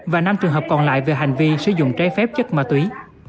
và năm trường hợp còn lại về hành vi sử dụng trái phép chất ma túy